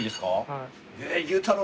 はい。